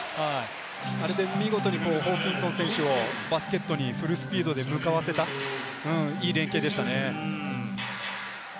あれで見事にホーキンソン選手をバスケットにフルスピードで向かわせたいい連係でしたね。